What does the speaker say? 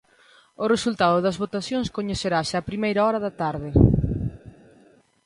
O resultado das votacións coñecerase á primeira hora da tarde.